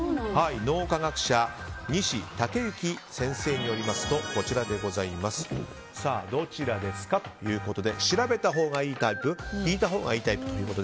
脳科学者の西剛志先生によりますとどちらですか？ということで調べたほうがいいタイプ聞いたほうがいいタイプ。